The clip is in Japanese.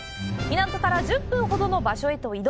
港から１０分ほどの場所へと移動。